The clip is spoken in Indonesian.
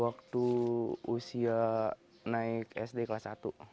waktu usia naik sd kelas satu